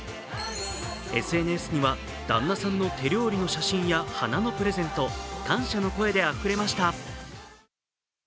ＳＮＳには旦那さんの手料理の写真や花野プレゼント、感謝の声であふれました。